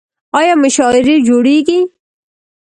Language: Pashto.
آیا مشاعرې جوړیږي؟